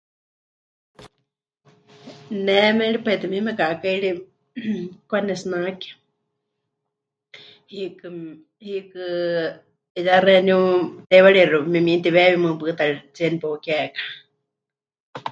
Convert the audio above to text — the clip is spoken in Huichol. Ne méripai tɨ mieme kaakái ri, ejem, kwanetsinake, hiikɨ, hiikɨ 'iyá xeeníu teiwarixi memitiweewiwa mɨɨkɨ pɨta ritsie nepeukeká.